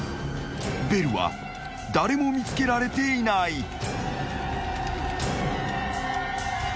［ベルは誰も見つけられていない］